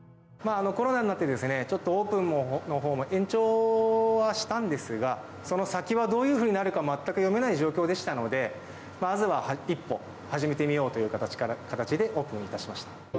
コロナになって、ちょっとオープンのほうも延長はしたんですが、その先はどういうふうになるか、全く読めない状況でしたので、まずは一歩、初めてみようという形でオープンいたしました。